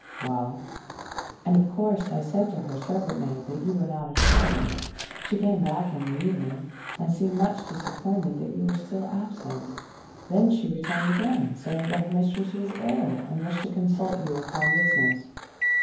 —well?" "And of course I said to her servant maid that you were not at home. She came back in the evening, and seemed much disappointed that you were still absent. Then she returned again, saying that her mistress was ill and wished to consult you upon business."